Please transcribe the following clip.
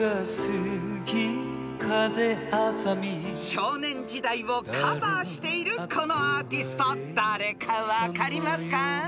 ［『少年時代』をカバーしているこのアーティスト誰か分かりますか？］